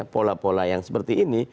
pola pola yang seperti ini